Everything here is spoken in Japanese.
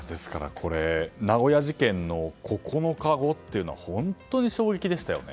名古屋事件の９日後というのは本当に衝撃でしたよね。